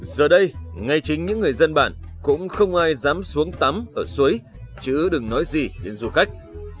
giờ đây ngay chính những người dân bản cũng không ai dám xuống tắm ở suối chứ đừng nói gì đến du khách